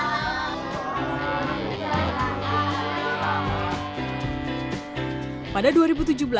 pada dua ribu tujuh belas rifqi mengikuti ajang pemilihan alpha ztz provinsi bantan